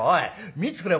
見てくれよ